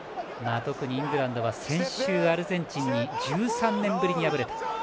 特にイングランドは先週、アルゼンチンに１３年ぶりに敗れたと。